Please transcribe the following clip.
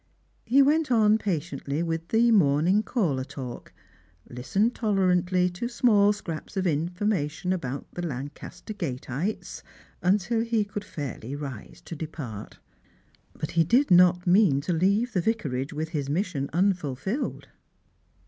He went on patiently with the morning caller talk, listened tolerantly to small scraps of information about the Lancaster gateites, until he could fairly rise to depart. But he did not mean to leave the Vicarage with his mission unfulfilled.